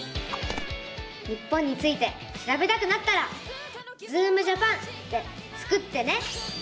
日本についてしらべたくなったら「ズームジャパン」でスクってね！